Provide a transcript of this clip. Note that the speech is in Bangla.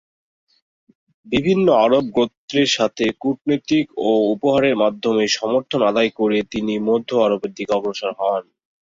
বিভিন্ন আরব গোত্রের সাথে কূটনৈতিক ও উপহারের মাধ্যমে সমর্থন আদায় করে তিনি মধ্য আরবের দিকে অগ্রসর হন।